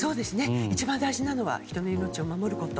一番大事なのは人の命を守ること。